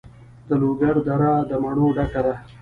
د لوګر دره د مڼو ډکه ده.